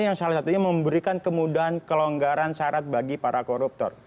yang salah satunya memberikan kemudahan kelonggaran syarat bagi para koruptor